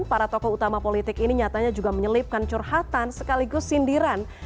para tokoh utama politik ini nyatanya juga menyelipkan curhatan sekaligus sindiran